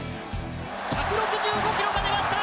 １６５キロが出ました！